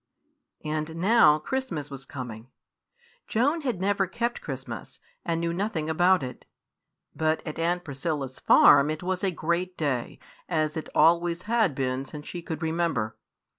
And now Christmas was coming. Joan had never kept Christmas, and knew nothing about it. But at Aunt Priscilla's farm it was a great day, as it always had been since she could remember.